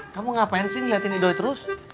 kamu ngapain sih ngeliatin idolnya terus